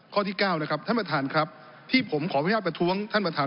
ข้อที่๙นะครับท่านประธานครับที่ผมขออนุญาตประท้วงท่านประธาน